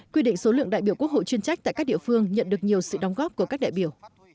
quy định số lượng đại biểu quốc hội chuyên trách tại các địa phương nhận được nhiều sự đóng góp của các đại biểu